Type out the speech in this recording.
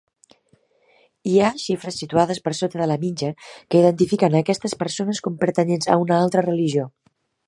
Hi ha xifres situades per sota de la mitja que identifiquen a aquestes persones com pertanyents a una altra religió.